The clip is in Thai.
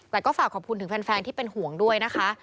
แต่ก็ฝากขอบคุณถึงแฟนที่เป็นห่วงด้วยนะคะ